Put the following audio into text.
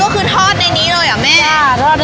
เป็ดอันนี้คือรวนมาแล้วใช่ไหมคะ